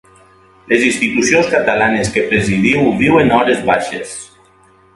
Les institucions catalanes que presidiu viuen hores baixes.